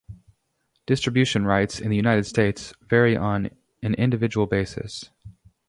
Distribution rights in the United States vary on an individual basis.